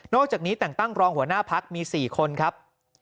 อกจากนี้แต่งตั้งรองหัวหน้าพักมี๔คนครับ